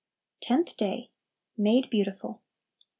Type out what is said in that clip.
Tenth Day. Made Beautiful.